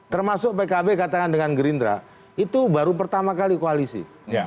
termasuk pkb katakan dengan gerindra itu baru pertama kali koalisi